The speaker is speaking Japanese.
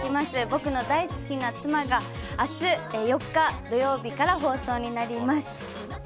「僕の大好きな妻！」が明日４日、土曜日から放送になります。